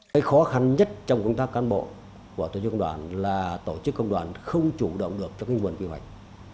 cái khó khăn nhất trong công tác cán bộ của tổ chức công đoàn là tổ chức công đoàn không chủ động được cho cái nguồn quy hoạch